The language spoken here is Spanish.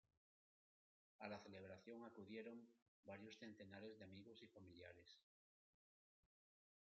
A la celebración acudieron varios centenares de amigos y familiares.